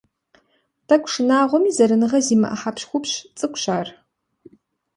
Тӏэкӏу шынагъуэми, зэраныгъэ зимыӀэ хьэпщхупщ цӀыкӀущ ар.